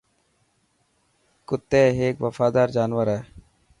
ڪتي هڪ وفادار جانور آهي.